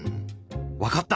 「わかった！」。